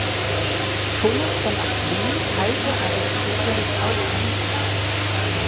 Thomas von Aquin teilte Aristoteles’ Auffassung.